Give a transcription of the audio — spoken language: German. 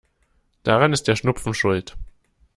Daran ist der Schnupfen schuld.